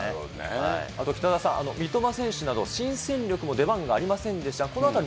あと北澤さん、三笘選手など、新戦力も出番がありませんでした